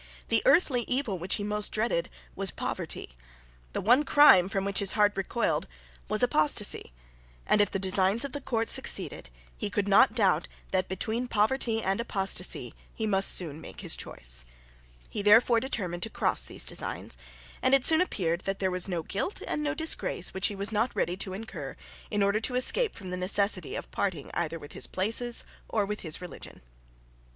The earthly evil which he most dreaded was poverty. The one crime from which his heart recoiled was apostasy. And, if the designs of the court succeeded, he could not doubt that between poverty and apostasy he must soon make his choice. He therefore determined to cross those designs; and it soon appeared that there was no guilt and no disgrace which he was not ready to incur, in order to escape from the necessity of parting either with his places or with his religion.